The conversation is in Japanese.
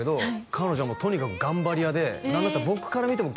「彼女はもうとにかく頑張り屋で何だったら僕から見ても」